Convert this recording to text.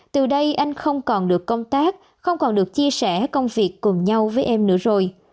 từ đây anh không còn được công tác không còn được chia sẻ công việc cùng nhau với em nữa rồi